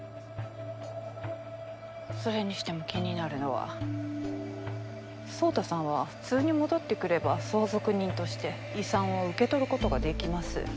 それにしても気になるのは宗太さんは普通に戻ってくれば相続人として遺産を受け取ることができます。